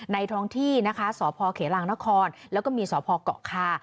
ท้องที่นะคะสพเขลางนครแล้วก็มีสพเกาะคา